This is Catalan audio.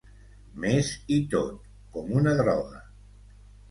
Més i tot, com una droga.